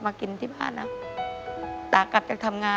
อเรนนี่ต้องมีวัคซีนตัวหนึ่งเพื่อที่จะช่วยดูแลพวกม้ามและก็ระบบในร่างกาย